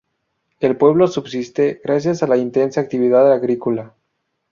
El pueblo subsiste gracias a la intensa actividad agrícola.